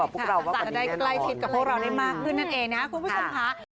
คุณคิดว่าจะช่วยกัน